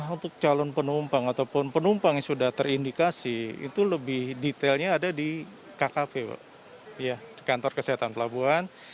untuk calon penumpang ataupun penumpang yang sudah terindikasi itu lebih detailnya ada di kkv pak kantor kesehatan pelabuhan